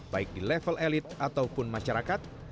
baik di level elit ataupun masyarakat